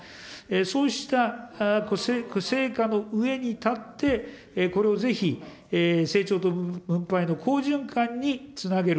そうした成果の上に立って、これをぜひ成長と分配の好循環につなげる。